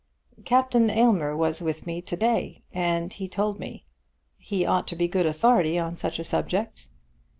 "Captain Aylmer was with me to day, and he told me. He ought to be good authority on such a subject."